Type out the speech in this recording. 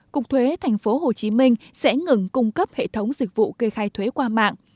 cục thuế tp hcm sẽ ngừng cung cấp hệ thống dịch vụ kê khai thuế qua mạng